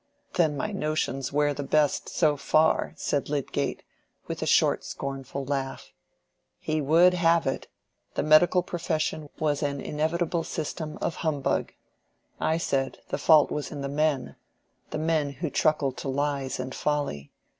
"Then my notions wear the best, so far," said Lydgate, with a short scornful laugh. "He would have it, the medical profession was an inevitable system of humbug. I said, the fault was in the men—men who truckle to lies and folly.